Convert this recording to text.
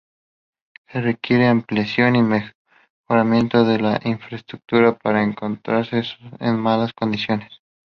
Se requiere ampliación y mejoramiento de la infraestructura por encontrarse en malas condiciones.